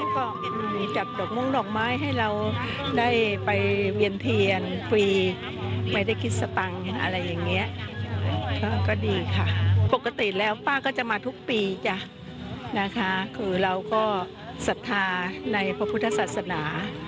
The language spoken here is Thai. ปกติแล้วป้าก็จะมาทุกปีจ้ะคือเราก็สัทธาในพระพุทธศาสนา